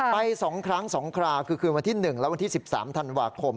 ไป๒ครั้ง๒คราคือคืนวันที่๑และวันที่๑๓ธันวาคม